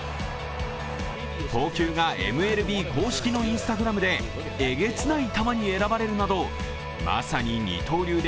投球がＭＬＢ公式のＩｎｓｔａｇｒａｍでエゲツない球に選ばれるなど、まさに二刀流で